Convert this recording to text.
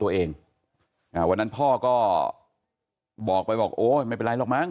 ตัวเองอ่าวันนั้นพ่อก็บอกไปบอกโอ้ยไม่เป็นไรหรอกมั้